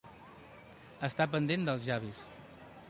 Estar pendent dels llavis.